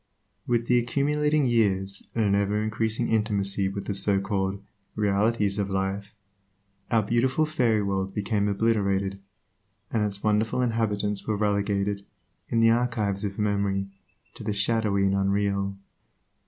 With the accumulating years, and an ever increasing intimacy with the so called "realities" of life, our beautiful fairy world became obliterated, and its wonderful inhabitants were relegated, in the archives of memory, to the shadowy and unreal.